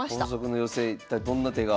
一体どんな手が？